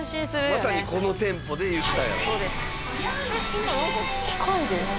まさにこの店舗で言ったんやろ？